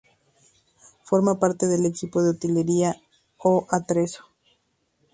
Forma parte del equipo de utilería o atrezzo.